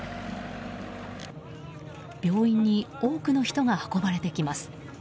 病院に多くの人が運ばれてきます。